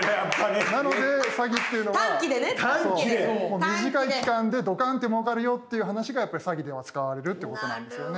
なので詐欺っていうのは短い期間でドカンってもうかるよっていう話がやっぱり詐欺では使われるってことなんですよね。